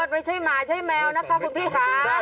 ไม่ใช่หมาใช่แมวนะคะคุณพี่ค่ะ